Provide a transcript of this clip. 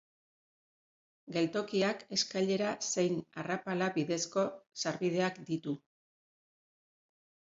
Geltokiak eskailera zein arrapala bidezko sarbideak ditu.